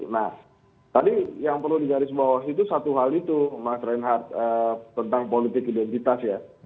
nah tadi yang perlu digarisbawahi itu satu hal itu mas reinhardt tentang politik identitas ya